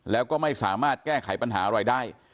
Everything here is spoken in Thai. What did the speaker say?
แล้วก็ไม่สามารถแก้ไขปัญหาอะไรได้